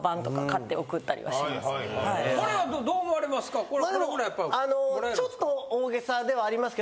これはどう思われますか？